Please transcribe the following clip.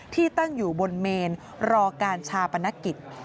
ที่ตั้งอยู่บนเมนรอการชาปนกิจ